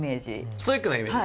ストイックなイメージ？